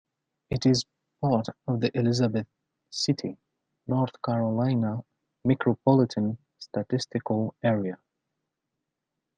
It is part of the Elizabeth City, North Carolina Micropolitan Statistical Area.